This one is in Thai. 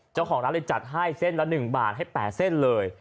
เจ้าของร้านเลยจัดให้เส้นละ๑บาทให้๘เส้นเลย